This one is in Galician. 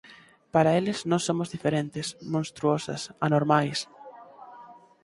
para eles nós somos diferentes, monstruosas, anormais...;